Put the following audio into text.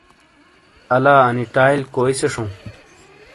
لا انی ٹائیل کوئی سے شَوں۔